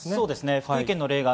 福井県の例です。